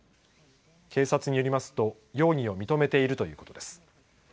警察によりますと容疑を認めているということです。